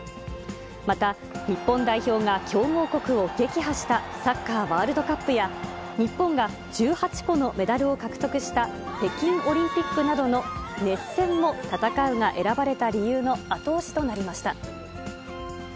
また日本代表が強豪国を撃破したサッカーワールドカップや、日本が１８個のメダルを獲得した北京オリンピックなどの熱戦もたたかうが選ばれた理由の後押しとなりました。